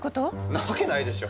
んなわけないでしょ！